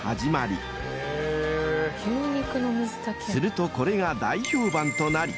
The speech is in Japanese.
［するとこれが大評判となり］